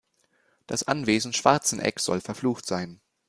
Das Anwesen Schwarzeneck soll verflucht sein.